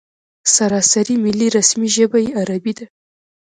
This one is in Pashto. سراسري ملي رسمي ژبه یې عربي ده.